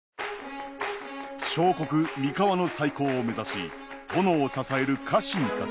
小国三河の再興を目指し殿を支える家臣たち。